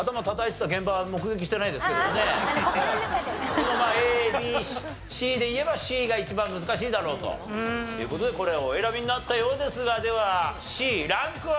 でもまあＡＢＣでいえばＣが一番難しいだろうという事でこれをお選びになったようですがではＣランクは？